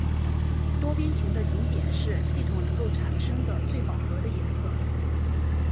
多边形的顶点是系统能够产生的最饱和的颜色。